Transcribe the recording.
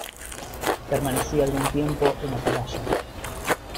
permanecí algún tiempo en atalaya.